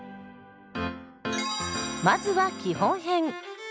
まずは基本編。